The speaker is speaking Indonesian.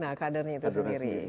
nah kadernya itu sendiri